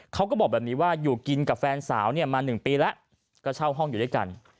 เขาก็บอกแบบนี้ว่าอยู่กินกับแฟนสาวมา๑ปีแล้วก็เช่าห้องอยู่ด้วยกัน